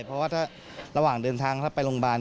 เพราะว่าถ้าระหว่างเดินทางถ้าไปโรงพยาบาล